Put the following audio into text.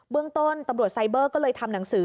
เรื่องต้นตำรวจไซเบอร์ก็เลยทำหนังสือ